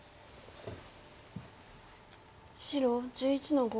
白１１の五。